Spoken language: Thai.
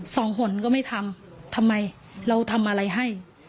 หนก็ไม่ทำทำไมเราทำอะไรให้